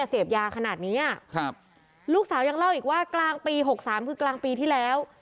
เสพยาขนาดนี้อ่ะครับลูกสาวยังเล่าอีกว่ากลางปีหกสามคือกลางปีที่แล้ว